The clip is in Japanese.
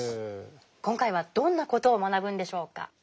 今回はどんな事を学ぶんでしょうか。